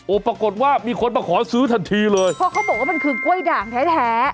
ปรากฏว่ามีคนมาขอซื้อทันทีเลยเพราะเขาบอกว่ามันคือกล้วยด่างแท้แท้